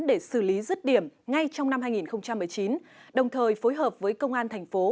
để xử lý rứt điểm ngay trong năm hai nghìn một mươi chín đồng thời phối hợp với công an thành phố